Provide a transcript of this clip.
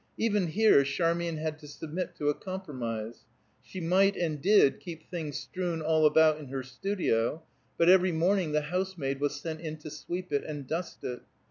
Even here Charmian had to submit to a compromise. She might and did keep things strewn all about in her studio, but every morning the housemaid was sent in to sweep it and dust it.